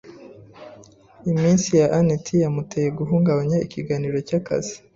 Imitsi ya anet yamuteye guhungabanya ikiganiro cyakazi.